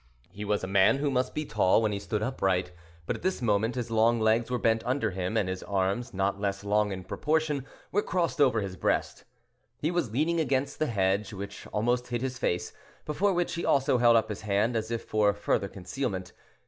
He was a man who must be tall when he stood upright, but at this moment his long legs were bent under him, and his arms, not less long in proportion, were crossed over his breast. He was leaning against the hedge, which almost hid his face, before which he also held up his hand as if for further concealment.